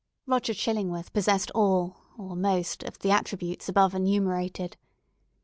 Roger Chillingworth possessed all, or most, of the attributes above enumerated.